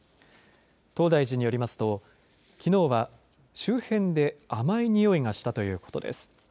東大寺によりますときのうは周辺で甘いにおいがしたということです。